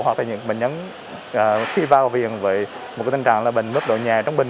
hoặc là những bệnh nhân khi vào viện với một tình trạng là bệnh mức độ nhà trong bệnh